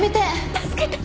助けて！